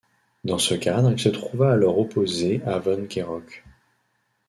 Dans ce cadre il se trouva alors opposé à von Gerock.